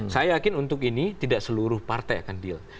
saya yakin untuk ini tidak seluruh partai akan deal